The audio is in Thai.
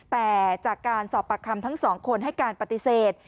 แต่จากการสอบปากคำทั้งสองคนให้การปฏิเสธ